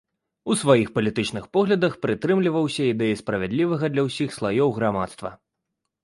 У сваіх палітычных поглядах прытрымліваўся ідэі справядлівага для ўсіх слаёў грамадства.